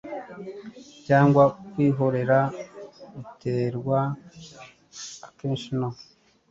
cyangwa kwihorera buterwa akenshi no